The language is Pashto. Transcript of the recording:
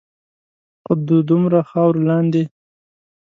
خو د دومره خاورو لاندے